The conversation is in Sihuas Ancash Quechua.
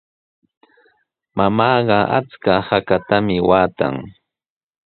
Mamaaqa achka haatami waatan.